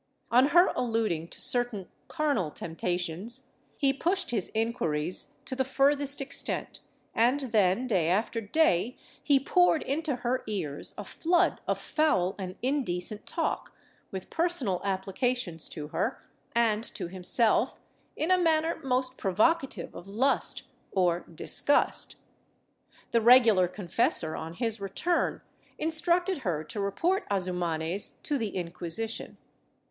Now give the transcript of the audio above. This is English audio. On her alluding to certain carnal temptations, he pushed his inquiries to the furthest extent and then, day after day, he poured into her ears a flood of foul and indecent talk, with personal applications to her and to himself in a manner most provocative of lust — or disgust. The regular confessor, on his return, instructed her to report Azumanes to the Inquisition.